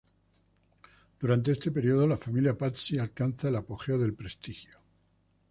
Durante este período la familia Pazzi alcanza el apogeo del prestigio.